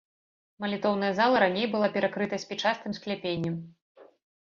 Малітоўная зала раней была перакрыта спічастым скляпеннем.